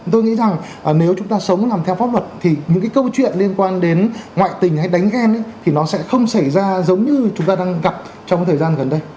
tôi nghĩ rằng nếu chúng ta sống làm theo pháp luật thì những cái câu chuyện liên quan đến ngoại tình hay đánh ghen thì nó sẽ không xảy ra giống như chúng ta đang gặp trong thời gian gần đây